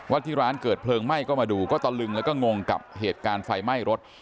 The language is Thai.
ที่ร้านเกิดเพลิงไหม้ก็มาดูก็ตะลึงแล้วก็งงกับเหตุการณ์ไฟไหม้รถ